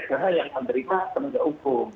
jadi ketika yang berikan beli pun nanti dikawal